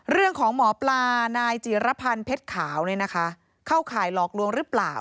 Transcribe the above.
หมอปลานายจีรพันธ์เพชรขาวเข้าข่ายหลอกลวงหรือเปล่า